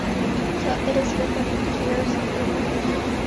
So it is with the cares of the world.